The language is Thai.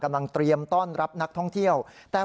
กำลังเตรียมต้อนรับนักท่องเที่ยว